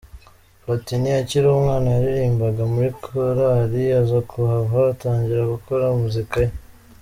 Platini akiri umwana yaririmbaga muri korari aza kuhava atangira gukora muzika ye.